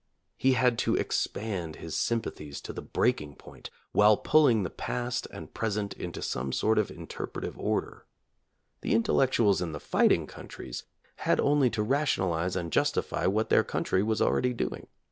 He had to expand his sympathies to the breaking point, while pulling the past and present into some sort of interpretative order. The intellectuals in the fighting countries had only •to rationalize and justify what their country was already doing.